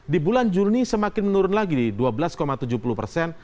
di bulan juni semakin menurun lagi di dua belas tujuh puluh persen